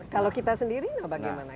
kalau kita sendiri bagaimana